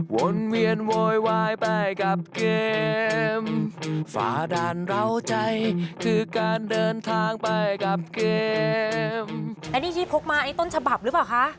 อันนี้ที่พกมาอันนี้ต้นฉบับหรือเปล่าคะ